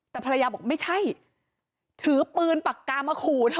แต่ภรรยาบอกไม่ใช่ถือปืนปากกามาขู่เธอ